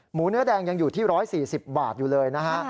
เนื้อแดงยังอยู่ที่๑๔๐บาทอยู่เลยนะฮะ